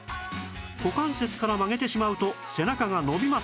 股関節から曲げてしまうと背中が伸びません